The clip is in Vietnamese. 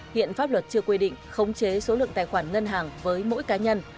hiện pháp luật chưa quy định khống chế số lượng tài khoản ngân hàng với mỗi cá nhân